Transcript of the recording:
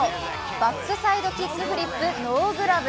バックサイドキックフリップ・ノーグラブ。